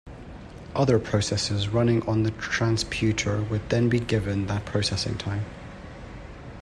Other processes running on the transputer would then be given that processing time.